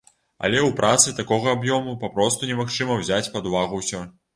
Але ў працы такога аб'ёму папросту немагчыма ўзяць пад увагу ўсё.